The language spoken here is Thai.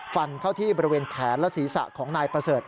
ฟันเข้าที่บริเวณแขนและศีรษะของนายประเสริฐ